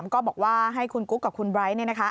ก็บอกว่าให้คุณกุ๊กกับคุณไบร์ท